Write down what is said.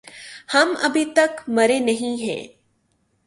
ہم أبھی تک مریں نہیں ہے۔